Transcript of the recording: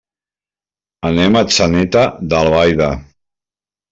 Anem a Atzeneta d'Albaida.